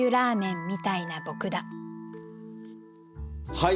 はい。